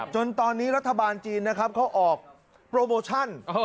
จนตอนนี้รัฐบาลจีนนะครับเขาออกโปรโมชั่น